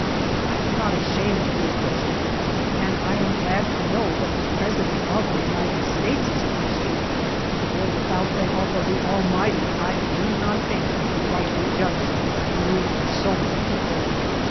•" I am not ashamed to be a Christian, and I am glad to know that the President of the United States is a Christian, for without the help of the Almighty I do not think he could rightly judge in ruling so many people.